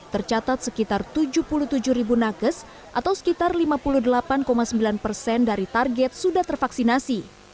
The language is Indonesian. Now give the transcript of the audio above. tercatat sekitar tujuh puluh tujuh ribu nakes atau sekitar lima puluh delapan sembilan persen dari target sudah tervaksinasi